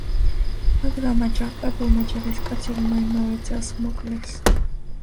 მაგრამ აჯანყებულმა ჯარისკაცებმა იმავე წელს მოკლეს.